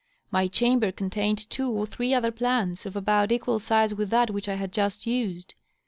My chamber contained two or three other plants, of about equal size with that which I had just used.